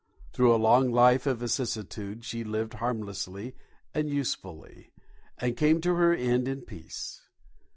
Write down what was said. Through a long life of vicissitude she lived harmlessly and usefully, and came to her end in peace.